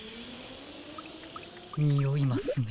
においますね。